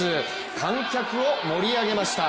観客を盛り上げました。